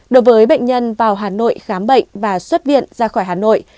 đối với bệnh nhân vào hà nội khám bệnh và xuất viện ra khỏi hà nội